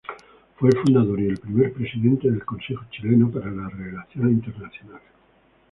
Fue el fundador y el primer presidente del Consejo Chileno para las Relaciones Internacionales.